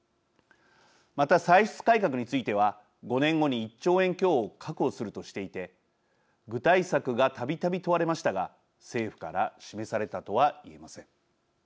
また歳出改革については５年後に１兆円強を確保するとしていて具体策がたびたび問われましたが政府から示されたとは言えません。